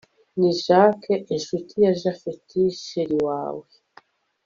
ni jack inshuti ya japhet chr wawe